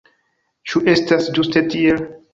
Ĉu estas ĝuste tiel?